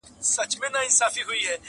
• وارخطا سوه لالهانده ګرځېدله -